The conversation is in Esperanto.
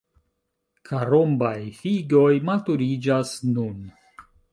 Karombaj figoj maturiĝas nun.